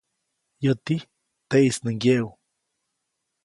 Yäti, teʼis nä ŋgyeʼu.